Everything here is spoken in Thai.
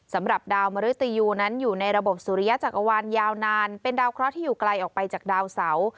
สำหรับดาวมริตยูนั้นอยู่ในระบบสุริยจักรวาลยาวนานเป็นดาวเคราะห์ที่อยู่ไกลออกไปจากดาวเสา